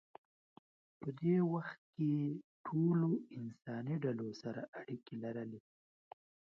په دې وخت کې ټولو انساني ډلو سره اړیکې لرلې.